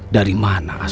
dari mana asalnya